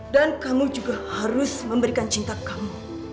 dan kamu juga harus memberikan cinta kamu